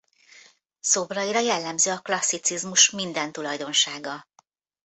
Szobraira jellemző a klasszicizmus minden tulajdonsága.